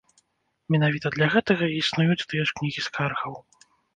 Менавіта для гэтага і існуюць тыя ж кнігі скаргаў.